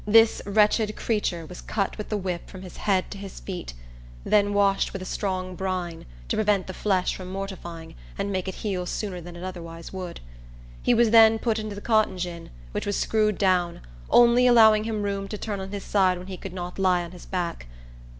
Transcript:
This wretched creature was cut with the whip from his head to his feet, then washed with strong brine, to prevent the flesh from mortifying, and make it heal sooner than it otherwise would. He was then put into the cotton gin, which was screwed down, only allowing him room to turn on his side when he could not lie on his back.